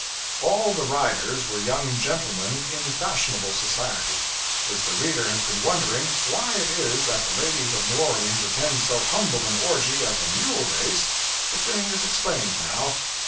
All the riders were young gentlemen in fashionable society. If the reader has been wondering why it is that the ladies of New Orleans attend so humble an orgy as a mule race, the thing is explained now.